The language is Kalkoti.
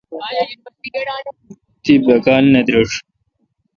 تی باکال نہ درݭ ۔